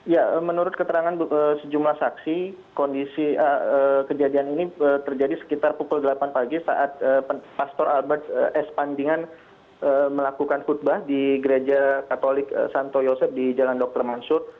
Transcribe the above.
ya menurut keterangan sejumlah saksi kondisi kejadian ini terjadi sekitar pukul delapan pagi saat pastor albert s pandingan melakukan khutbah di gereja katolik santo yosep di jalan dr mansur